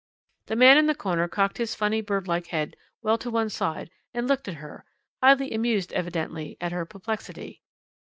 The man in the corner cocked his funny birdlike head well on one side and looked at her, highly amused evidently at her perplexity.